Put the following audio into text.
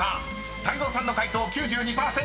［泰造さんの解答９２％］